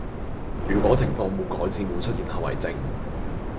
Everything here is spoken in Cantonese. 如果情況沒改善會出現後遺症